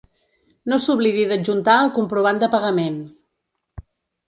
No s'oblidi d'adjuntar el comprovant de pagament.